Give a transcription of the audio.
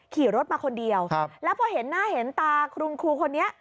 ขี่รถมาคนเดียวแล้วพอเห็นหน้าเห็นตาคุณครูคนนี้